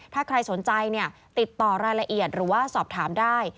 ถ้าใครสนใจติดต่อรายละเอียดหรือว่าสอบถามได้